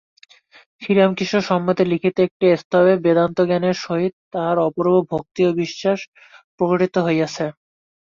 শ্রীরামকৃষ্ণ সম্বন্ধে লিখিত একটি স্তবে বেদান্তজ্ঞানের সহিত তাঁহার অপূর্ব ভক্তি ও বিশ্বাস প্রকটিত হইয়াছে।